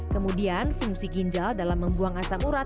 kemudian fungsi ginjal dalam membuang asam urat